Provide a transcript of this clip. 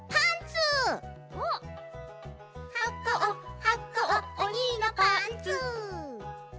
「はこうはこうおにのパンツ」